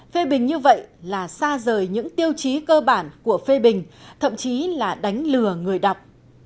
phê bình như vậy là xa rời những tiêu chí cơ bản của phê bình thậm chí là đánh lừa người đọc